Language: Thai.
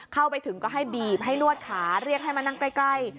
เข้าไปถึงก็ให้บีบให้นวดขาเรียกให้มานั่งใกล้